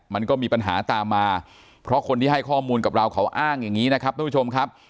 มันก็มีปัญหาตามมาเพราะคนที่ให้ข้อมูลกับเราเขาอ้างอย่างนี้นะครับทุกผู้ชมครับ